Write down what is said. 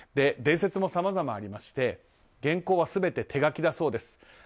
伝説もさまざまありまして原稿は全て手書きなんだそうです。